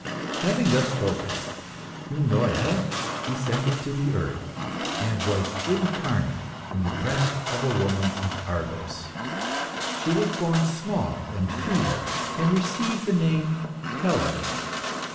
"Having thus spoken, Eunoia descended to the earth, and was incarnate in the breast of a woman of Argos. She was born small and feeble, and received the name of Helen.